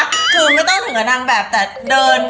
คือไม่ต้องถึงกับนางแบบแต่เดิน